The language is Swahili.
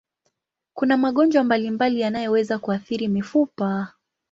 Kuna magonjwa mbalimbali yanayoweza kuathiri mifupa.